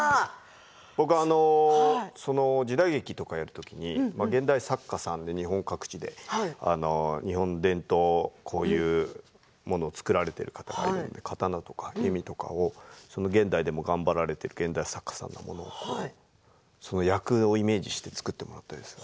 僕は時代劇とかやる時に現代作家さんで日本各地で日本伝統のこういうものを作られている方刀や弓とかを現代でも頑張られている現代作家さんのその役をイメージして作ってもらいました。